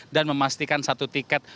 dan memastikan satu tiket